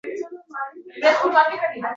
Soyabon olib oling.